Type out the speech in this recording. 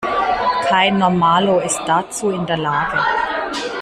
Kein Normalo ist dazu in der Lage.